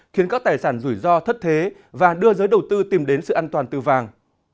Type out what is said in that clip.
khiến các tài sản rủi ro thất thế và đưa giới đầu tư tìm đến sự an toàn từ vàng